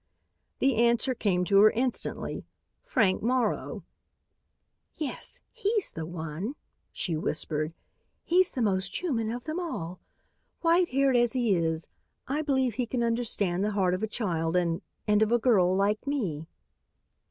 The answer came to her instantly: Frank Morrow. "Yes, he's the one," she whispered. "He's the most human of them all. White haired as he is, I believe he can understand the heart of a child and and of a girl like me."